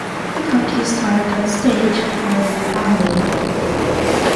He got his start on stage while in the Army.